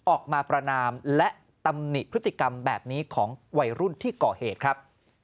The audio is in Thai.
ประนามและตำหนิพฤติกรรมแบบนี้ของวัยรุ่นที่ก่อเหตุครับ